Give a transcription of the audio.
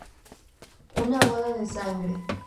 Una boda de sangre.